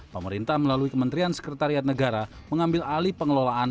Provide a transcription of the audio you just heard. pemerintah melalui kementerian sekretariat negara mengambil alih pengelolaan